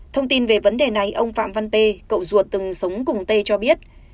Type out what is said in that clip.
thông tin về vấn đề này ông phạm văn pê cậu ruột từng sống cùng tê cho biết